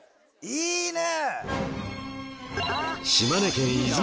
いいね！